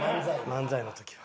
漫才の時は。